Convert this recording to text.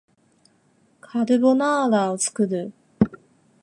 カルボナーラを作る